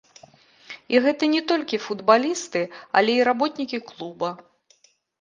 І гэта не толькі футбалісты, але і работнікі клуба.